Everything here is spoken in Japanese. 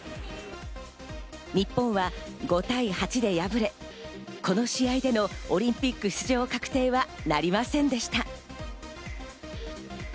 日本は５対８で敗れ、この試合でのオリンピック出場確定はなりませんでした。